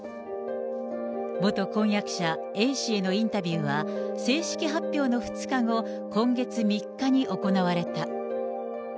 元婚約者、Ａ氏へのインタビューは、正式発表の２日後、今月３日に行われた。